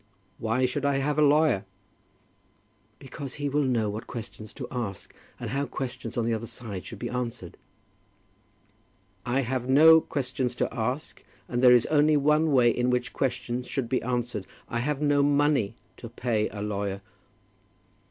"Why should I have a lawyer?" "Because he will know what questions to ask, and how questions on the other side should be answered." "I have no questions to ask, and there is only one way in which questions should be answered. I have no money to pay a lawyer."